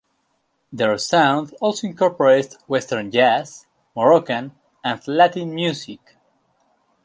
Their sound also incorporates western jazz, Moroccan and Latin music.